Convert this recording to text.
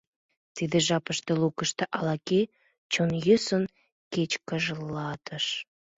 Тиде жапыште лукышто ала-кӧ чон йӧсын кечкыжалтыш.